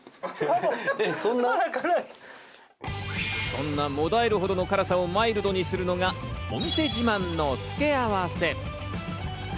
そんな悶えるほどの辛さをマイルドにするのがお店自慢の付け合わせ。